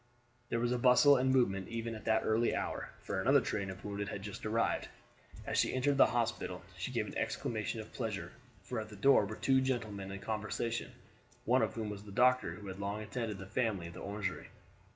There was bustle and movement even at that early hour, for another train of wounded had just arrived. As she entered the hospital she gave an exclamation of pleasure, for at the door were two gentlemen in conversation, one of whom was the doctor who had long attended the family at the Orangery.